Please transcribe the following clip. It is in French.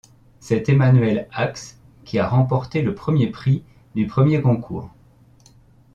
C'est Emanuel Ax qui a remporté le premier prix du premier concours.